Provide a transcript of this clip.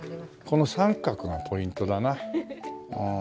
この三角がポイントだな。